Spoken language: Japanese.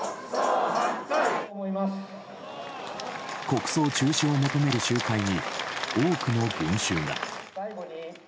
国葬中止を求める集会に多くの群衆が。